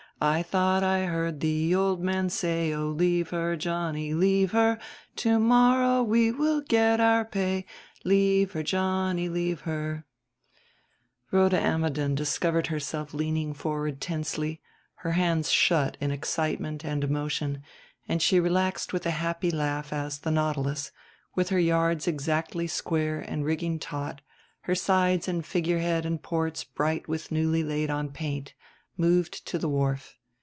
I thought I heard the old man say, Oh, leave her, Johnny, leave her. To morrow we will get our pay .......leave her"_ Rhoda Ammidon discovered herself leaning forward tensely, her hands shut in excitement and emotion; and she relaxed with a happy laugh as the Nautilus, with her yards exactly square and rigging taut, her sides and figurehead and ports bright with newly laid on paint, moved to the wharf.